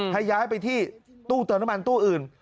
ให้ย้ายไปที่ตู้เติมน้ำมันตู้อื่น